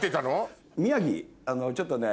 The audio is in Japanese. ちょっとね。